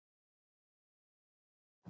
خلک له لوی جومات نه راوتل.